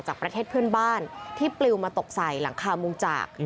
จากประเทศเพื่อนบ้านที่ปลิวมาตกใส่หลังคามุงจาก